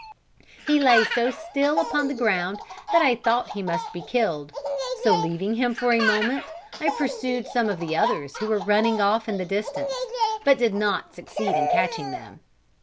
He lay so still upon the ground that I thought he must be killed; so, leaving him for a moment, I pursued some others who were running off in the distance, but did not succeed in catching them.